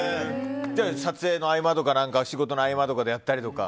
じゃあ撮影の合間とか仕事の合間とかでやったりとか。